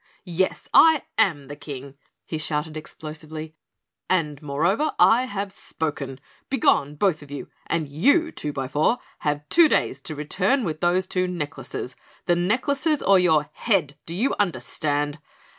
"Yes, I am the King," he shouted explosively, "and moreover I have spoken. Begone, both of you, and YOU, Twobyfour, have two days to return with those two necklaces. The necklaces or your HEAD, do you understand?